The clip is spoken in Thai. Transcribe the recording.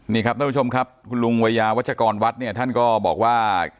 นี่ครับท่านผู้ชมครับคุณลุงวัยยาวัชกรวัดเนี่ยท่านก็บอกว่า